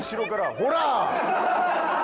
ほら！